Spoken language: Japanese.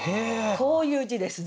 こういう字です